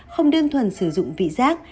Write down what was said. không đơn thuần sử dụng vị giác